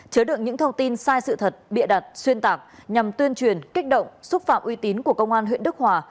chứa đựng những thông tin sai sự thật bịa đặt xuyên tạc nhằm tuyên truyền kích động xúc phạm uy tín của công an huyện đức hòa